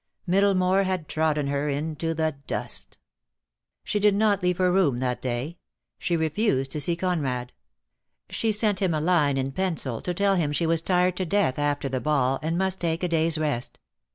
Middlemore had trodden her into the dust. She did not leave her room that day. She refused to see Conrad. She sent him a line in pencil to tell him she was tired to death after the ball, and must take a day's rest.